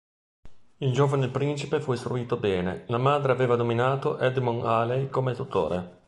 Il giovane principe fu istruito bene, la madre aveva nominato Edmond Halley come tutore.